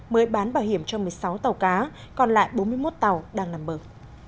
mới bán bảo hiểm cho một mươi sáu tàu cá còn lại bốn mươi một tàu đang nằm bờ